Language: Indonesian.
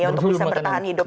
untuk bisa bertahan hidup